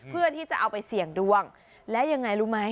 เพื่อที่จะเอาไปเสี่ยงดวงและยังไงรู้ไหม